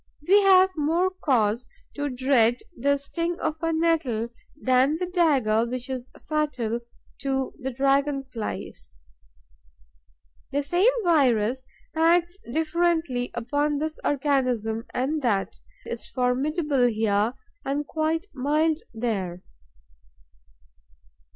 We have more cause to dread the sting of a nettle than the dagger which is fatal to Dragon flies. The same virus acts differently upon this organism and that, is formidable here and quite mild there.